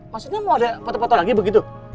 maksudnya mau ada foto foto lagi begitu